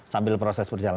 sambil proses berjalan